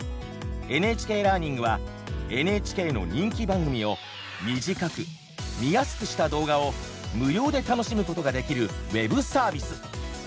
「ＮＨＫラーニング」はＮＨＫの人気番組を短く見やすくした動画を無料で楽しむことができるウェブサービス。